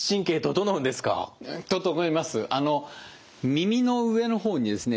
耳の上の方にですね